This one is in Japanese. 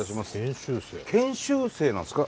研修生なんですか？